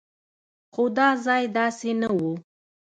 خو دا ځای داسې نه و.